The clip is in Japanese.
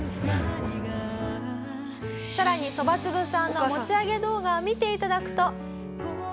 さらにそばつぶさんの持ち上げ動画を見て頂くと。